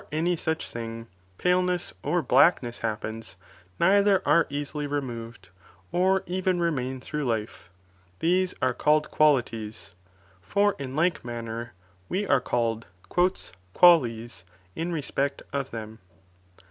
ny sucb thing, paleoefis or blackness happens, oei iber are easily removed, or even remain through life, these are caUed qualities, for in like manner, we are called " quules " ii lespect o&them.